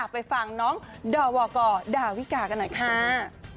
ไปฟังน้องดอวกดาวิกากันหน่อยค่ะ